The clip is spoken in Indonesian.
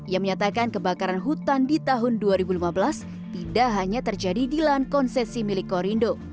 ia menyatakan kebakaran hutan di tahun dua ribu lima belas tidak hanya terjadi di lahan konsesi milik korindo